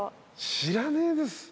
知らねえですって。